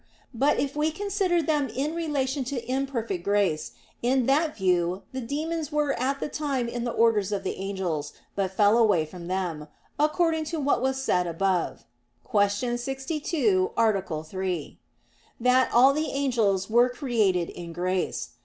But if we consider them in relation to imperfect grace, in that view the demons were at the time in the orders of angels, but fell away from them, according to what was said above (Q. 62, A. 3), that all the angels were created in grace.